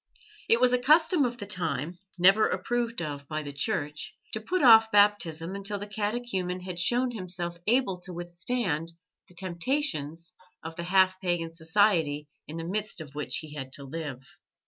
It was a custom of the time never approved of by the Church to put off Baptism until the catechumen had shown himself able to withstand the temptations of the half pagan society in the midst of which he had to live.